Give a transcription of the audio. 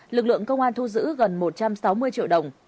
lực lượng công an thu giữ gần một trăm sáu mươi triệu đồng